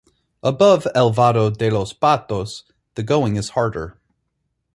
Above El Vado de los Patos the going is harder.